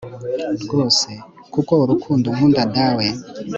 ryose), kuko urukundo unkunda dawe